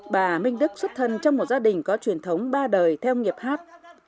bà minh đức xuất thân trong một gia đình có truyền thống ba đời theo nghiệp hát